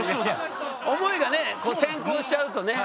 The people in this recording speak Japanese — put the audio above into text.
思いがね先行しちゃうとね。